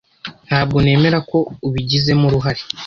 Ntabwo nemera ko ubigizemo uruhare.